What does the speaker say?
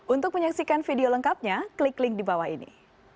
untuk menyaksikan video lengkapnya klik link di bawah ini